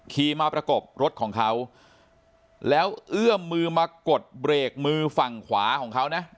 ขี่มาประกบรถของเขาแล้วเอื้อมมือมากดเบรกมือฝั่งขวาของเขานะ